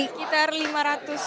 sekitar lima ratus an orang